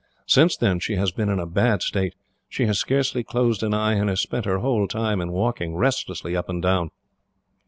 Since then she has been in a bad state. She has scarcely closed an eye, and has spent her whole time in walking restlessly up and down."